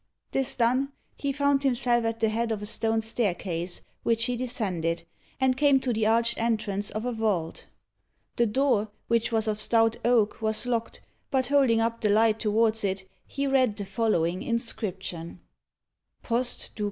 This done, he found himself at the head of a stone staircase, which he descended, and came to the arched entrance of a vault. The door, which was of stout oak, was locked, but holding up the light towards it, he read the following inscription: "POST C.C.